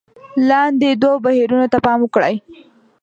لاندې دوو بهیرونو ته پام وکړئ: